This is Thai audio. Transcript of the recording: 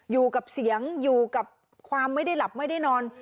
อยู่กับเสียงอยู่กับความไม่ได้หลับไม่ได้นอน